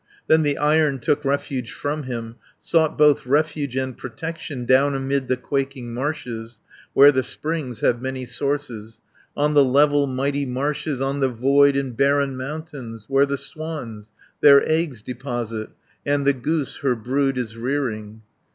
"Then the Iron took refuge from him, Sought both refuge and protection 80 Down amid the quaking marshes, Where the springs have many sources, On the level mighty marshes, On the void and barren mountains, Where the swans their eggs deposit, And the goose her brood is rearing.